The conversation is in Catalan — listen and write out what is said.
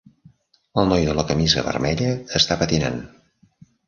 El noi de la camisa vermella està patinant